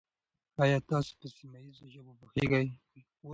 آیا تاسو په سیمه ییزو ژبو پوهېږئ؟